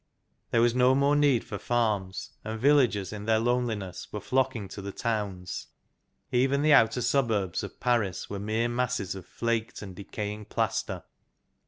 There was no more need for farms, and villagers in their loneli ness were flocking to the towns. Even the outer suburbs of Paris were mere masses of flaked and de caying plaster.